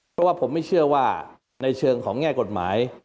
เพราะว่าผมไม่เชื่อว่าในเชิงของแง่กฎหมาย